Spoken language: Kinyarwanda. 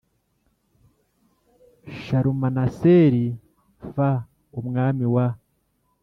Shalumaneseri f umwami wa